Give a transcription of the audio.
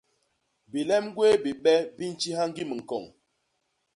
Bilem gwéé bibe bi ntjiha ñgim ñkoñ.